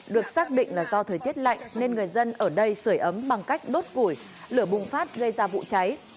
được xác định là do thời tiết lạnh nên người dân ở đây sửa ấm bằng cách đốt củi lửa bùng phát gây ra vụ cháy